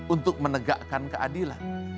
untuk menegakkan keadilan